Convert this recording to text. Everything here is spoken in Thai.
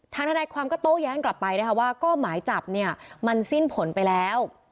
ทนายความก็โต้แย้งกลับไปนะคะว่าก็หมายจับเนี่ยมันสิ้นผลไปแล้ว